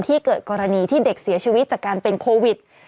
เกิดกรณีที่เด็กเสียชีวิตจากการเป็นโควิด